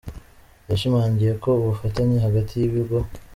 yashimangiye ko ubufatanye hagati y’ibigo.